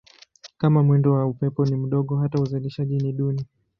Kama mwendo wa upepo ni mdogo hata uzalishaji ni duni.